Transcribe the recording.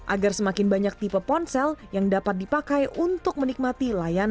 agar semakin banyak tipe ponsel yang dapat dipakai untuk menikmati layanan